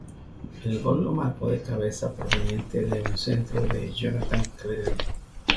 El gol lo marcó de cabeza proveniente de un centro de Jonathan Calleri.